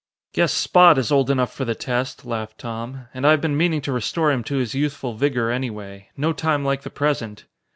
"Guess Spot is old enough for the test," laughed Tom, "and I have been meaning to restore him to his youthful vigor, anyway. No time like the present."